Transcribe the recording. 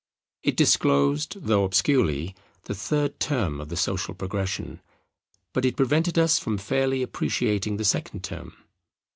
It disclosed, though obscurely, the third term of the social progression; but it prevented us from fairly appreciating the second term.